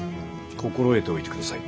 心得ておいて下さい。